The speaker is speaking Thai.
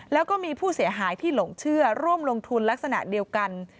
แล้วก็มีผู้เสียหายที่หลงเชื่อร่วมลงทุนลักษณะเดียวกัน